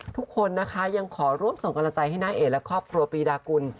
ทุกคนนะคะยังขอร่วมส่งกำลังใจให้น้าเอและครอบครัวปีดากุล